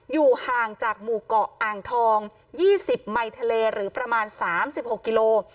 อยู่ห่างจากหมู่เกาะอ่างทองยี่สิบไหมทะเลหรือประมาณสามสิบหกกิโล